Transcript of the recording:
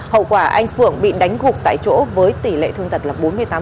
hậu quả anh phượng bị đánh gục tại chỗ với tỷ lệ thương tật là bốn mươi tám